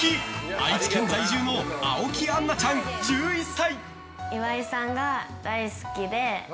愛知県在住の青木杏菜ちゃん、１１歳。